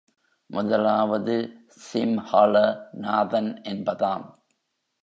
முதலாவது சிம்ஹௗ நாதன் என்பதாம்.